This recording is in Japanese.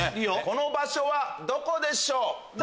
この場所はどこでしょう？